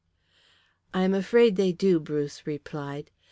"I am afraid they do," Bruce replied.